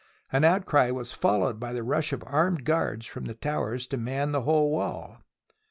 An outcry was followed by the rush of armed guards from the towers to man the whole wall.